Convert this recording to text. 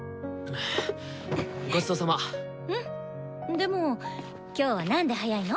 でも今日はなんで早いの？